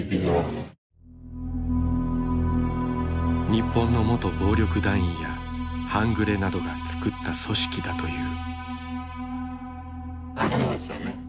日本の元暴力団員や半グレなどが作った組織だという。